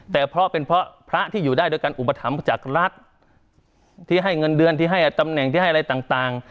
แต่เพราะเป็นเพราะพระที่อยู่ได้โดยการอุปถัมภ์จากรัฐที่ให้เงินเดือนที่ให้ตำแหน่งที่ให้อะไรต่าง